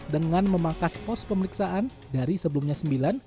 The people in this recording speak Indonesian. dengan memangkas pos pemeriksaan dari sebelumnya sembilan